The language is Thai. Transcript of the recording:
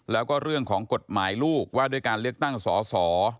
แล้วก็เรื่องของกฎหมายลูกว่าด้วยการเลือกตั้งสอสอ